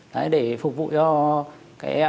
đấy để phục vụ cho